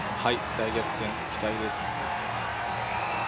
大逆転、期待です。